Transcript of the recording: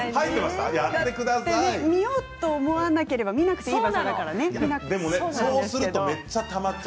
見ようと思わなければ見なくてもいい場所ですからね。